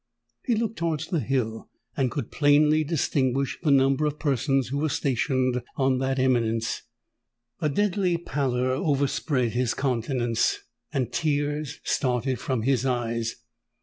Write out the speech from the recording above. He looked towards the hill, and could plainly distinguish the number of persons who were stationed on that eminence. A deadly pallor overspread his countenance; and tears started from his eyes.